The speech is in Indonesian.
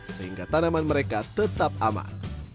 sehingga tanaman mereka tetap aman